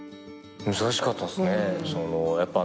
難しかったですね。